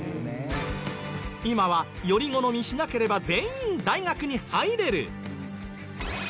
今はより好みしなければ全員大学に入れる。